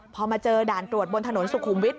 พอมาเจอด่านตรวจบนถนนสุขุมวิทย